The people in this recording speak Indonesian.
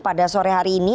pada sore hari ini